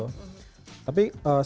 tapi semangat kita tidak bisa